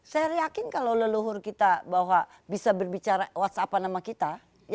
saya yakin kalau leluhur kita bahwa bisa berbicara whatsapp an sama kita